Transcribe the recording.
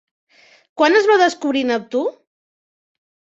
Quan es va descobrir Neptú?